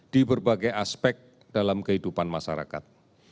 di berbagai aspek dalam kehidupan masyarakat